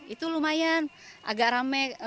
itu lumayan agak rame